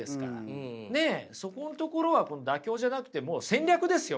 ねえそこのところは妥協じゃなくてもう戦略ですよ。